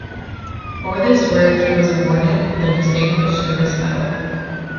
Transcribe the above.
For this work he was awarded the Distinguished Service Medal.